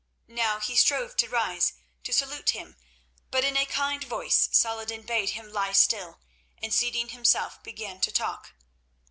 Now he strove to rise to salute him, but in a kind voice Saladin bade him lie still, and seating himself, began to talk.